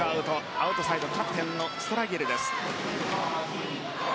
アウトサイド、キャプテンのストラギエルです。